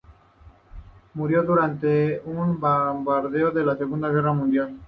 Murió durante un bombardeo de la Segunda Guerra Mundial.